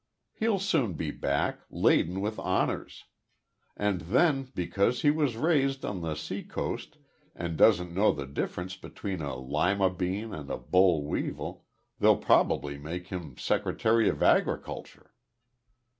He'll soon be back, laden with honors. And then, because he was raised on the seacoast and doesn't know the difference between a Lima bean and a bole weevil, they'll probably make him Secretary of Agriculture."